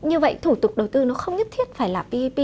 như vậy thủ tục đầu tư nó không nhất thiết phải là pep